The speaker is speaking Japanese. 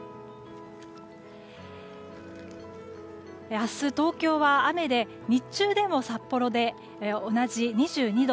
明日、東京は雨で日中でも札幌で同じ２２度。